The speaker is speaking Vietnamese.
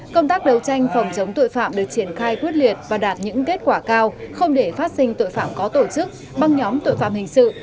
công tác đấu tranh phòng chống tội phạm được triển khai quyết liệt và đạt những kết quả cao không để phát sinh tội phạm có tổ chức băng nhóm tội phạm hình sự